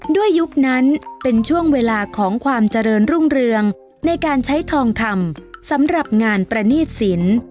ยุคนั้นเป็นช่วงเวลาของความเจริญรุ่งเรืองในการใช้ทองคำสำหรับงานประณีตสิน